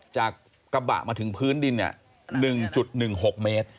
จากกระบะมาถึงพื้นดิน๑๑๖เมตร